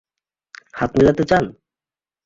হাত মেলাতে চান?